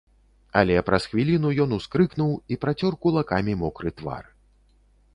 Але праз хвіліну ён ускрыкнуў і працёр кулакамі мокры твар.